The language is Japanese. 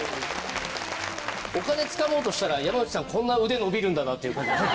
お金つかもうとしたら山内さんこんな腕伸びるんだなっていう感じもします。